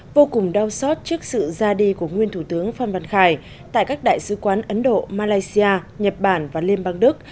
vô cùng đau xót trước sự ra đi của nguyên thủ tướng phan văn khải tại các đại sứ quán ấn độ malaysia nhật bản và liên bang đức